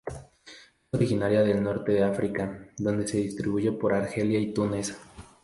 Es originaria del norte de África, donde se distribuye por Argelia y Túnez.